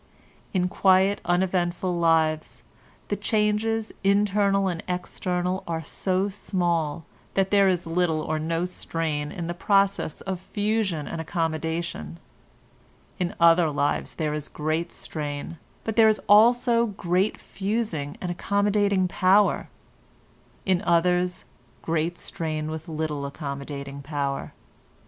In quiet, uneventful lives the changes internal and external are so small that there is little or no strain in the process of fusion and accommodation; in other lives there is great strain, but there is also great fusing and accommodating power; in others great strain with little accommodating power.